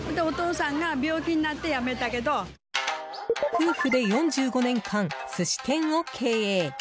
夫婦で４５年間、寿司店を経営。